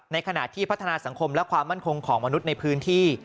ขณะที่พัฒนาสังคมและความมั่นคงของมนุษย์ในพื้นที่